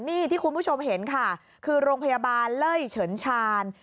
นี่ที่คุณผู้ชมเห็นค่ะคือโรงพยาบาลเล่ยเฉินชาญ